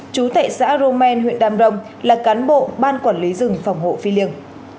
chú tệ xã romaine huyện đam rông là cán bộ ban quản lý rừng phòng hộ phi liêng